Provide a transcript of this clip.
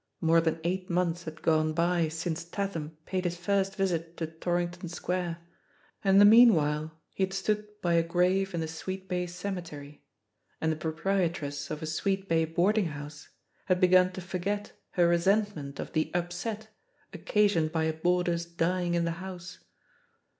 More than eight months had gone by since Tatham paid his first visit to Torrington Square; and in the mean* while he had stood by a grave in the Sweetbay cemetery, and the proprietress of a Sweetbay boarding house had begun to forget her resent* ment of the ^'upset" occasioned by i| boarder's dying in the house.